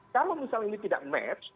kalau misal ini tidak match